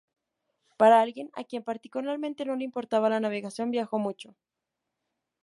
Para alguien a quien particularmente no le importaba la navegación viajó mucho.